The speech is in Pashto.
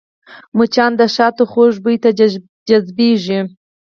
مچان د شاتو خوږ بوی ته جذبېږي